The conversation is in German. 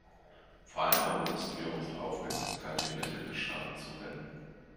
Vor allem aber müssen wir unsere Aufmerksamkeit den Mittelmeerstaaten zuwenden.